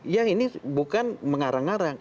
yang ini bukan mengarang arang